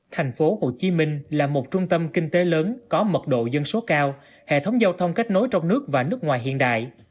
tp hcm là một trung tâm kinh tế lớn có mật độ dân số cao hệ thống giao thông kết nối trong nước và nước ngoài hiện đại